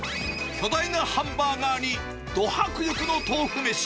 巨大なハンバーガーに、ド迫力の豆腐飯。